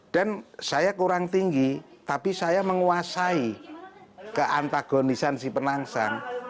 dan saya kurang tinggi tapi saya menguasai ke antagonisan si penangsang